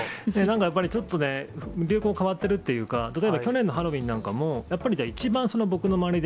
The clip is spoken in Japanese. やっぱりちょっとね、流行変わってるっていうか、例えば去年のハロウィーンなんかも、やっぱり一番、僕の周りで、